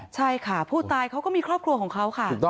ใช่ค่ะผู้ตายเขาก็มีครอบครัวของเขาค่ะ